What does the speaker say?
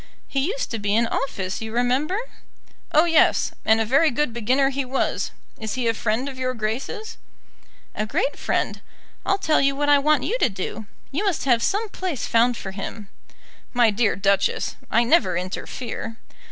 "He used to be in office, you remember." "Oh yes; and a very good beginner he was. Is he a friend of Your Grace's?" "A great friend. I'll tell you what I want you to do. You must have some place found for him." "My dear Duchess, I never interfere."